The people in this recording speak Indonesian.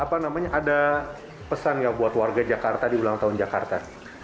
apa namanya ada pesan nggak buat warga jakarta di ulang tahun jakarta